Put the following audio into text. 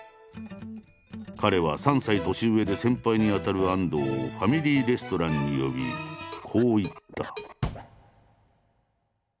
彼は３歳年上で先輩にあたる安藤をファミリーレストランに呼びこう言った。